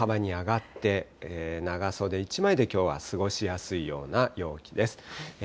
大幅に上がって、長袖１枚できょうは過ごしやすいような陽気です。